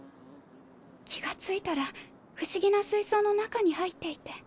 気が付いたら不思議な水槽の中に入っていて。